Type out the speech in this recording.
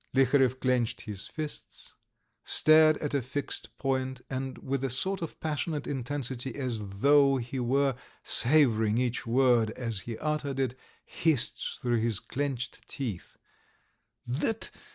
Liharev clenched his fists, stared at a fixed point, and with a sort of passionate intensity, as though he were savouring each word as he uttered it, hissed through his clenched teeth: "That